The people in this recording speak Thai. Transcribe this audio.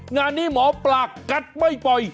งานนี้หมอปลากัดไม่ปล่อย